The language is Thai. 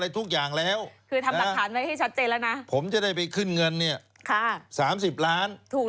ถูกหรือเปล่า